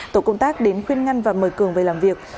tổ công tác đến khuyên ngăn và mời cường về làm việc